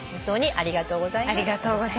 ありがとうございます。